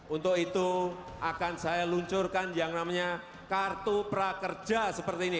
untuk itu akan saya luncurkan yang namanya kartu prakerja seperti ini